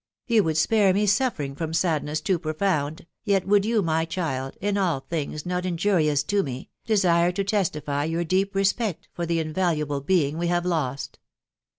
• you would spare me suffering from sadness too profound, yet would you, my child, in all things not inju rious to me, desire to testify your deep respect for the inva luable being we have lost.